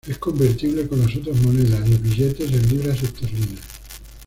Es convertible con las otras monedas y billetes en libras esterlinas.